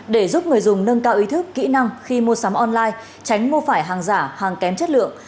để giúp người dùng nâng cao ý thức kỹ năng khi mua sắm online tránh mua phải hàng giả hàng kém chất lượng